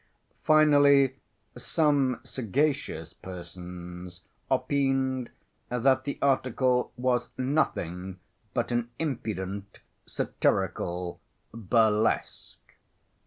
Finally some sagacious persons opined that the article was nothing but an impudent satirical burlesque.